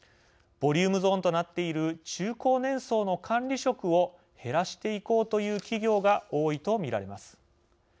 ボリュームゾーンとなっている中高年層の管理職を減らしていこうという企業が多いとみられます。